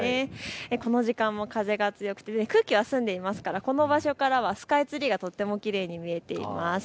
この時間も風が強くて空気は澄んでますからこの場所からはスカイツリーがとてもきれいに見えています。